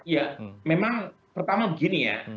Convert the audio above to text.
ya memang pertama begini ya